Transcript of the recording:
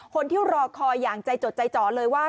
คนที่รอคอยอย่างใจจดใจจ่อเลยว่า